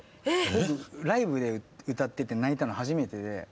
僕ライブで歌ってて泣いたの初めてで。